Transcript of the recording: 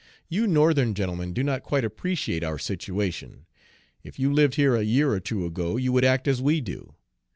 You Northern gentlemen do not quite appreciate our situation; if you lived here a year or two you would act as we do.